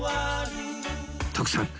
徳さん